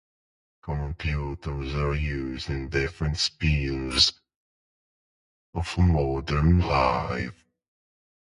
Computers are used in different spheres of modern life.